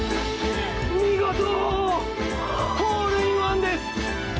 見事ホールインワンです！